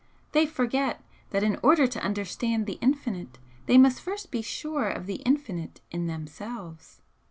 They forget that in order to understand the Infinite they must first be sure of the Infinite in themselves."